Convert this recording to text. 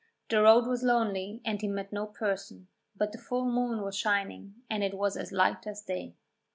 The road was lonely and he met no person, but the full moon was shining and it was as light as day.